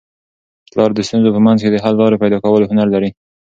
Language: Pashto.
پلار د ستونزو په منځ کي د حل لاري پیدا کولو هنر لري.